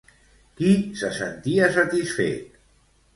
Qui se sentia satisfet?